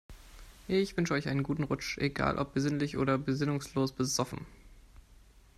Ich wünsche euch einen guten Rutsch, egal ob besinnlich oder besinnungslos besoffen.